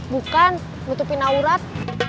bukan nutupin aurat